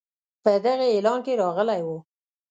په دغه اعلان کې راغلی وو.